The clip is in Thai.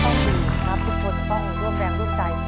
ขอบพลิชครับทุกคนก็ออกร่วมแรงรูปใจ